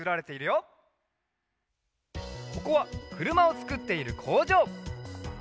ここはくるまをつくっているこうじょう。